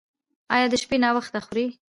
ایا د شپې ناوخته خورئ؟